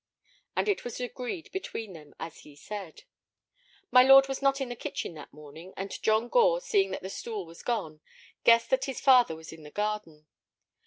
And it was agreed between them as he said. My lord was not in the kitchen that morning, and John Gore, seeing that the stool was gone, guessed that his father was in the garden.